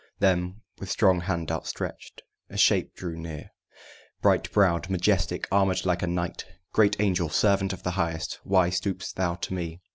Then with strong hand outstretched a Shape drew near, Bright browed, majestic, armored like a knight. "Great Angel, servant of the Highest, why Stoop'st thou to me?"